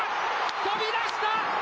飛び出した。